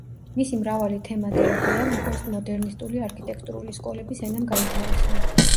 მისი მრავალი თემა და იდეა პოსტმოდერნისტული არქიტექტურული სკოლების ენამ გაითავისა.